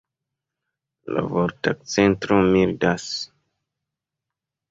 La vortakcento mildas.